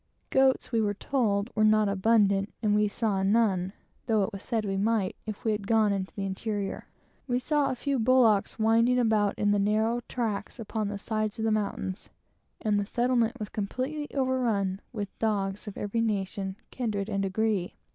Goats, we were told, were not abundant, and we saw none, though it was said we might, if we had gone into the interior. We saw a few bullocks winding about in the narrow tracks upon the sides of the mountains, and the settlement was completely overrun with dogs of every nation, kindred, and degree.